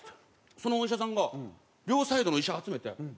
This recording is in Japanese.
そのお医者さんが両サイドの医者集めて。